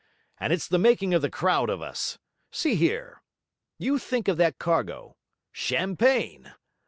And it's the making of the crowd of us. See here you think of that cargo. Champagne!